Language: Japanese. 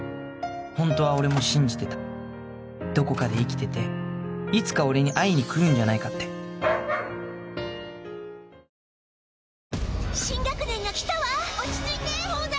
ホントは俺も信じてたどこかで生きてていつか俺に会いに来るんじゃないかって懐かしいこの庭。